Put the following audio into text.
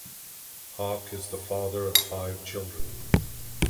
Hawk Is the father of five children.